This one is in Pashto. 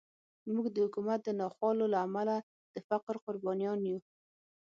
موږ د حکومت د ناخوالو له امله د فقر قربانیان یو.